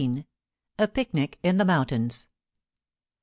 A PICNIC IN THE MOUNTAINS.